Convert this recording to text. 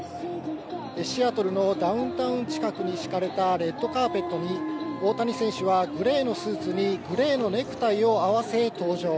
シアトルのダウンタウン近くに敷かれたレッドカーペットに、大谷選手はグレーのスーツにグレーのネクタイを合わせ登場。